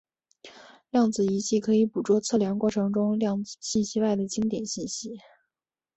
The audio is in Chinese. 量子仪器可以捕捉测量过程中量子信息外的经典信息。